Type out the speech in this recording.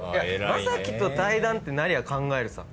将暉と対談ってなりゃ考えるさ。